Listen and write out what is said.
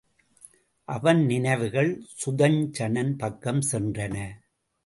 அவன் நினைவுகள் சுதஞ்சணன் பக்கம் சென்றன.